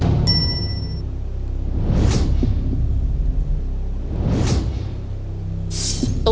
ตัวเลือกใดไม่ได้ประกอบอยู่ในตราสัญลักษณ์ประจำโรงเรียนพยุหังวิทยา